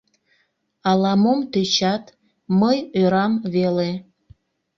Ала-мом тӧчат, мый ӧрам веле...